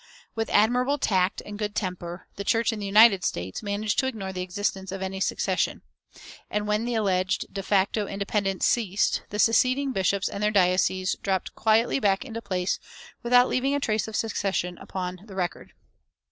With admirable tact and good temper, the "Church in the United States" managed to ignore the existence of any secession; and when the alleged de facto independence ceased, the seceding bishops and their dioceses dropped quietly back into place without leaving a trace of the secession upon the record.